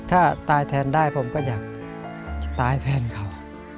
ถ้าตายแทนได้ผมก็อยากตายแทนเขา